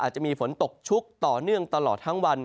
อาจจะผมตกชุกต่อเนื่องตลอดทั้งวัน